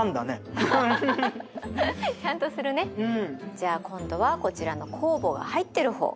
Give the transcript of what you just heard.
じゃあ今度はこちらの酵母が入ってる方。